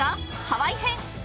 ハワイ編。